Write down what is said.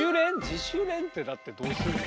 自主練ってだってどうすんの？